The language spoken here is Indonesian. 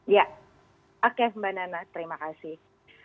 ya oke mbak nana terima kasih